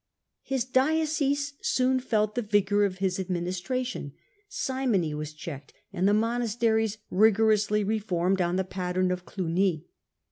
His diocese soon felt the vigour of his administra tion ; simony was checked, and the monasteries rigor ously reformed on the pattern of Clugny.